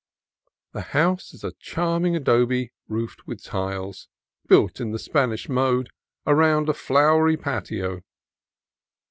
The house is a charming adobe roofed with tiles, built in the Spanish mode around a flowery patio.